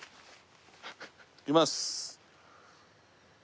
いきます。